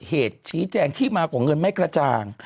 เหตุชี้แต่งที่มาของเงินไม่กระจาง